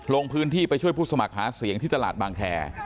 ลงพื้นที่ไปช่วยผู้สมัครหาเสียงที่ตลาดบางแคร์